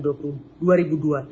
yang lalu menunjukkan